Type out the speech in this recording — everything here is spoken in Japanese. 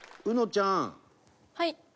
うのちゃん：はい。